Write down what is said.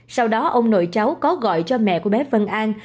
sau đó ông nội cháu có gọi cho mẹ của bé phân an